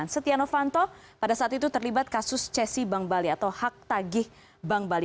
setia novanto pada saat itu terlibat kasus cesi bank bali atau hak tagih bank bali